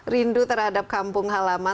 rindu terhadap kampung halaman